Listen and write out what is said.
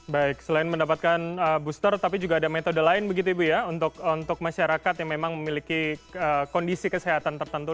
baik selain mendapatkan booster tapi juga ada metode lain begitu ibu ya untuk masyarakat yang memang memiliki kondisi kesehatan tertentu